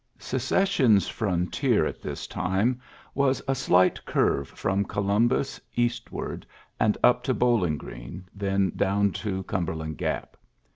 Secession's frontier at this tii a slight curve from Columbus es and up to Bowling Green, then 6 Cumberland Gap.